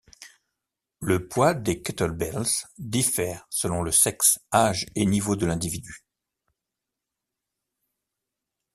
Le poids des kettlebells diffère selon le sexe, âge et niveau de l’individu.